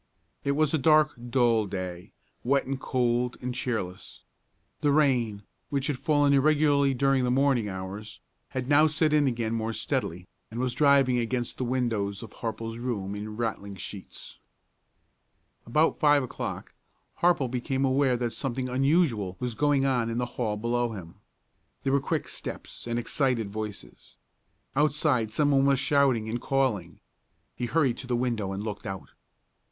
It was a dark, dull day, wet and cold and cheerless. The rain, which had fallen irregularly during the morning hours, had now set in again more steadily, and was driving against the windows of Harple's room in rattling sheets. About five o'clock Harple became aware that something unusual was going on in the hall below him. There were quick steps and excited voices. Outside some one was shouting and calling. He hurried to the window and looked out.